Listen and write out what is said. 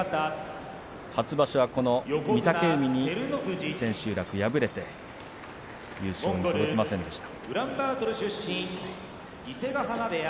初場所はこの御嶽海に千秋楽敗れて優勝に届きませんでした。